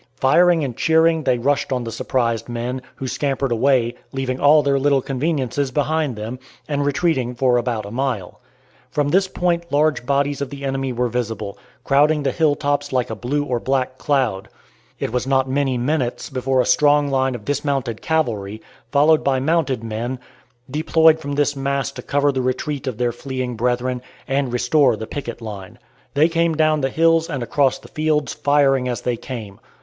Firing and cheering they rushed on the surprised men, who scampered away, leaving all their little conveniences behind them, and retreating for about a mile. From this point large bodies of the enemy were visible, crowding the hill tops like a blue or black cloud. It was not many minutes before a strong line of dismounted cavalry, followed by mounted men, deployed from this mass to cover the retreat of their fleeing brethren, and restore the picket line. They came down the hills and across the fields, firing as they came.